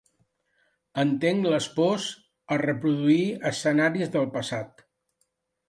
Entenc les pors a reproduir escenaris del passat.